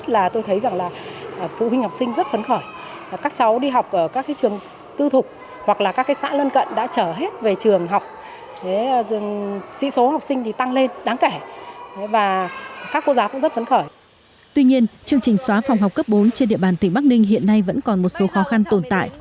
tuy nhiên chương trình xóa phòng học cấp bốn trên địa bàn tỉnh bắc ninh hiện nay vẫn còn một số khó khăn tồn tại